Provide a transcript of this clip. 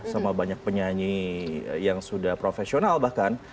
sama banyak penyanyi yang sudah profesional bahkan